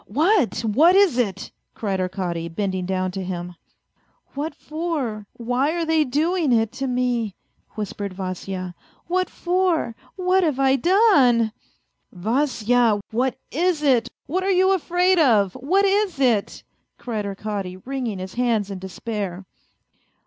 " What, what is it ?" cried Arkady, bending down to him. " What for, why are they doing it to me ?" whispered Vasya. " What for ? What have I done ?"" Vasya, what is it ? What are you afraid of ? What is it ?" cried Arkady, wringing his hands in despair.